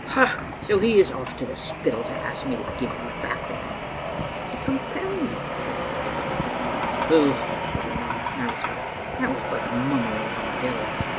" "Ha! So he is off to the Spittal to ask me to give you back to him." "To compel you," corrected Babbie. "Pooh!" said the earl nervously, "that was but mummery on the hill."